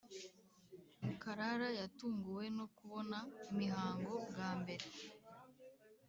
Karara yatunguwe no kubona imihango bwa mbere